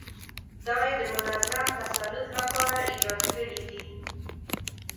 دا یې د منظم تسلط لپاره ایجاد کړي دي.